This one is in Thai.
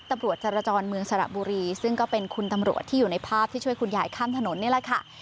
จรจรเมืองสระบุรีซึ่งก็เป็นคุณตำรวจที่อยู่ในภาพที่ช่วยคุณยายข้ามถนนนี่แหละค่ะ